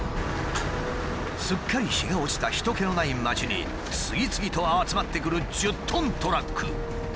すっかり日が落ちた人けのない街に次々と集まってくる１０トントラック。